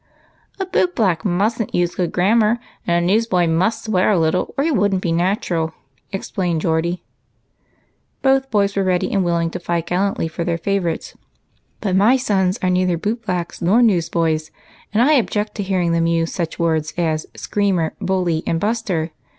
"A boot black 7nust7iH use good grammar, and a newsboy must swear a little, or he wouldn't be natural," explained Geordie, both boys ready to fight gallantly for their favorites. " But my sons are neither boot blacks nor news boys, and I object to hearing them use such words as * screamer,' 'bully,' and 'buster.'